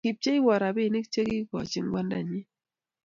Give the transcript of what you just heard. Kibchewon robinik che kiikochini kwandanyin